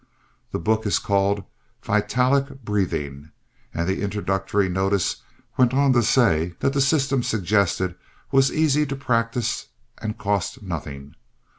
The book is called Vitalic Breathing and the introductory notice went on to say that the system suggested was easy to practise and cost nothing.